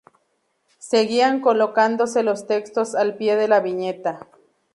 Seguían colocándose los textos al pie de la viñeta.